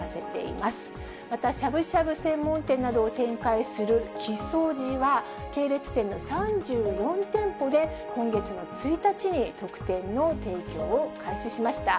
またしゃぶしゃぶ専門店などを展開する木曽路は、系列店の３４店舗で今月の１日に特典の提供を開始しました。